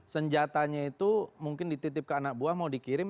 senjatanya itu mungkin dititip ke anak buah mau dikirim